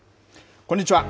こんにちは。